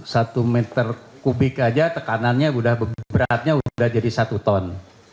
satu meter kubik aja tekanannya beratnya sudah jadi satu ton